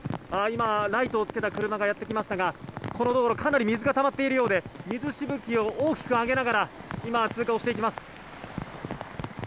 今、ライトをつけた車がやってきましたがこの道路かなり水がたまっているようで水しぶきを大きく上げながら今、通過をしていきます。